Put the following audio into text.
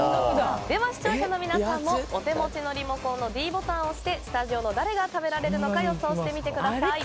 では、視聴者の皆さんもお手持ちのリモコンのｄボタンを押してスタジオの誰が食べられるのか予想してみてください。